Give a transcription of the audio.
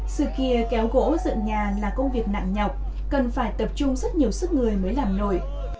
sự kia kéo gỗ dựng nhà là công việc nặng nhọc cần phải tập trung rất nhiều sức người mới làm nổi